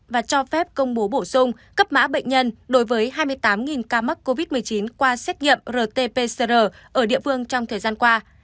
và cho phép công bố bổ sung cấp mã bệnh nhân đối với hai mươi tám ca mắc covid một mươi chín qua xét nghiệm rt pcr ở địa phương trong thời gian qua